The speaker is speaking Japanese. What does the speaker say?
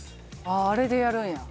あああれでやるんや。